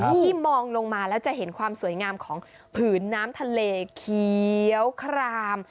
ที่มองลงมาแล้วจะเห็นความสวยงามของผืนน้ำทะเลเขียวคราม